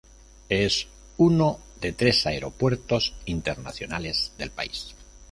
Es uno de tres aeropuertos internacionales del país.